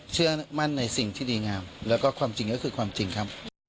เชื่อมั่นในสิ่งที่ดีงามแล้วก็ความจริงก็คือความจริงครับ